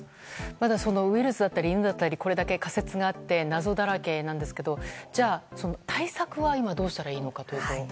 まだウイルスだったり犬だったりこれだけ仮説があって謎だらけなんですがその対策はどうしたらいいのでしょうか。